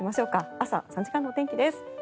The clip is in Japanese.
朝、３時間のお天気です。